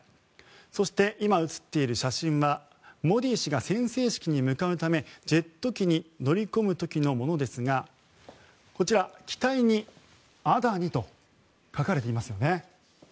そして、今写っている写真はモディ氏が宣誓式に向かうためジェット機に乗り込む時のものですが機体に「ａｄａｎｉ」と書かれていますよね。